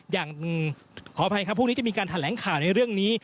อย่างขออภัยครับพรุ่งนี้จะมีการแถลงข่าวในเรื่องนี้